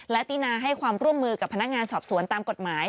และตินาให้ความร่วมมือกับพนักงานสอบสวนตามกฎหมาย